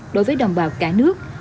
đối với đồng bào cả nước